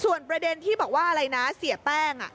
ส่วนประเด็นที่บอกว่าอะไรนะเสียแป้ง